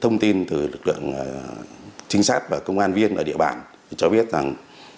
thông tin từ lực lượng trinh sát và công an viên ở địa bàn cho biết rằng